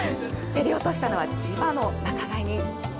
競り落としたのは、千葉の仲買人。